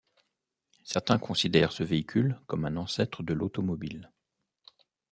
Certains considèrent ce véhicule comme un ancêtre de l'automobile.